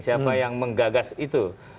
siapa yang menggagas itu